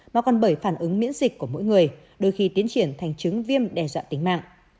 mà còn bởi phản ứng miễn dịch của mỗi người đôi khi tiến triển thành chứng viêm đe dọa tính mạng